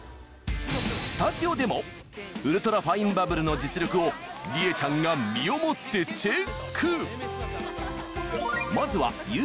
スタジオでもウルトラファインバブルの実力を里英ちゃんが身をもってチェックまずはあ！